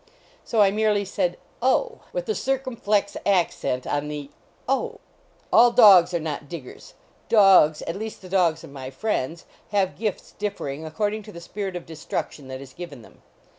So I merely said, "Oh!" with the circumflex accent on the " Oh." All dogs are not diggers. Dogs at least the dogs of my friends, have gifts differing ac cording to the spirit of destruction that is given them.